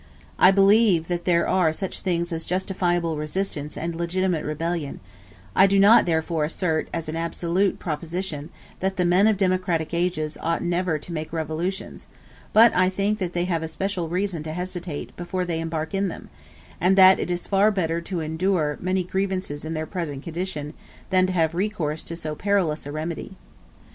I believe that there are such things as justifiable resistance and legitimate rebellion: I do not therefore assert, as an absolute proposition, that the men of democratic ages ought never to make revolutions; but I think that they have especial reason to hesitate before they embark in them, and that it is far better to endure many grievances in their present condition than to have recourse to so perilous a remedy.